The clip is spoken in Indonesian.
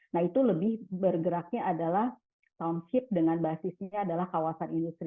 nah itu lebih bergeraknya adalah soundship dengan basisnya adalah kawasan industri